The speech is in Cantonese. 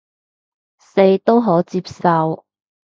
四都可接受